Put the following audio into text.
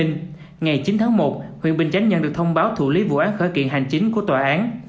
ngày chín tháng một huyện bình chánh nhận được thông báo thủ lý vụ án khởi kiện hành chính của tòa án